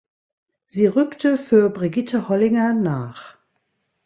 Sie rückte für Brigitte Hollinger nach.